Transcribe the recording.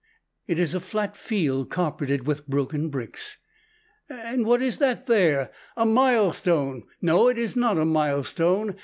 It is a flat field, carpeted with broken bricks. And what is that, there? A milestone? No, it is not a milestone.